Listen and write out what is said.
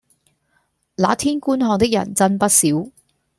那天觀看的人真不少